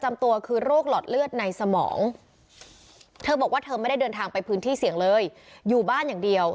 ไม่ได้เดินทางไปพื้นที่เสียงเลยอยู่บ้านอย่างเดียว